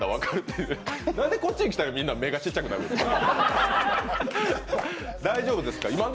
なんでこっちに来たらみんな目が小っちゃくなるんですか。